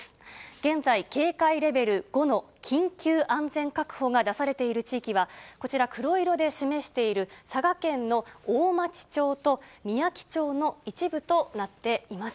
現在、警戒レベル５の緊急安全確保が出されている地域は、こちら黒色で示している佐賀県の大町町とみやき町の一部となっています。